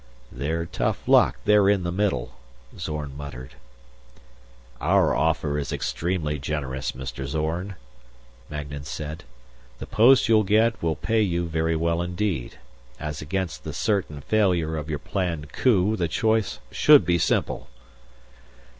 "Their tough luck they're in the middle," Zorn muttered. "Our offer is extremely generous, Mr. Zorn," Magnan said. "The post you'll get will pay you very well indeed. As against the certain failure of your planned coup, the choice should be simple."